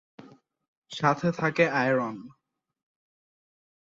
সাথে থাকে আয়রন।